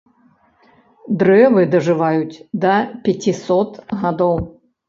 Дрэвы дажываюць да пяцісот гадоў.